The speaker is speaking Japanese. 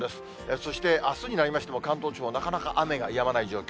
そして、あすになりましても関東地方、なかなか雨がやまない状況。